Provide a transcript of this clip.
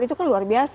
itu kan luar biasa